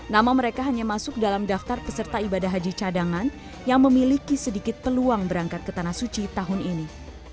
nama mereka hanya masuk dalam daftar peserta ibadah haji cadangan yang memiliki sedikit peluang berangkat ke tanah suci tahun ini